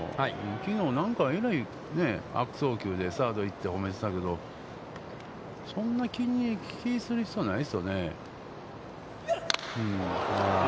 きのうなんかえらい悪送球でサード行って褒めていたけどそんな気にする必要ないですよね。